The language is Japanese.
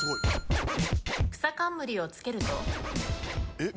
えっ？